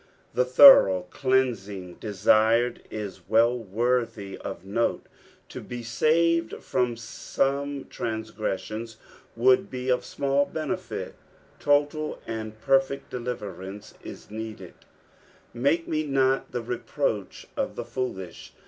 The thorough cleansing desired is well worthy of note : to be aaved from some transgreBsions would be of small benefit ; total and perfect deliverance is needed, '■'■l^akerae net the repraaeh nf tfiejboliiih."